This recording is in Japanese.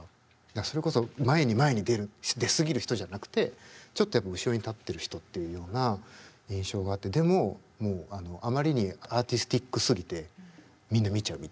それこそ前に前に出る出すぎる人じゃなくてちょっとやっぱ後ろに立ってる人っていうような印象があってでももうあまりにアーティスティックすぎてみんな見ちゃうみたいな。